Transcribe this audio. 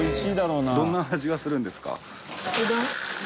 どんな味がするんですか？